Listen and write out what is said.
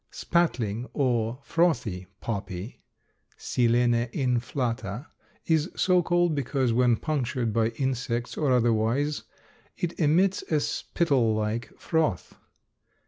Spatling or frothy poppy (Silene inflata) is so called because when punctured by insects or otherwise it emits a spittle like froth.